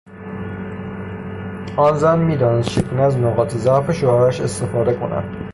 آن زن میدانست چگونه از نقاط ضعف شوهرش استفاده کند.